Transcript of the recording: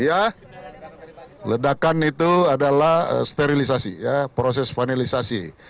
ya ledakan itu adalah sterilisasi ya proses finalisasi